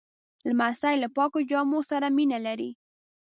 لمسی له پاکو جامو سره مینه لري.